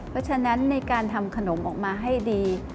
เพราะฉะนั้นในการทำขนมออกมาให้ดี